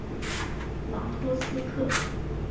朗托斯克。